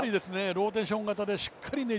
ローテーション型でしっかりね